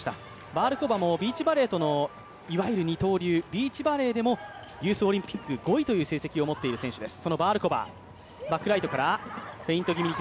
バールコバもビーチバレーとの、いわゆる二刀流、ビーチバレーでもユースオリンピック５位という成績を持っている選手です。